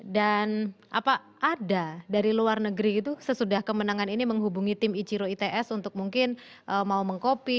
dan apa ada dari luar negeri itu sesudah kemenangan ini menghubungi tim ichiro its untuk mungkin mau mengkopi